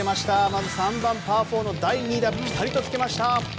まず３番、パー４の第２打ぴたりと付けました。